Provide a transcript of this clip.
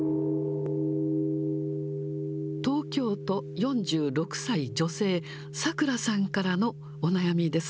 東京都、４６歳女性、さくらさんからのお悩みです。